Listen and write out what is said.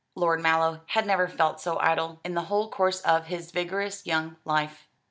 Lord Mallow had never felt so idle, in the whole course of his vigorous young life.